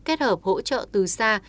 kết hợp hỗ trợ từ xa